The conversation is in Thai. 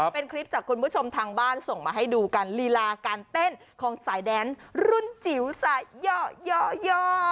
เป็นคลิปจากคุณผู้ชมทางบ้านส่งมาให้ดูกันลีลาการเต้นของสายแดนรุ่นจิ๋วสาย่อ